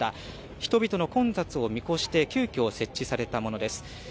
人々の混雑を見越して急きょ、設置されたものです。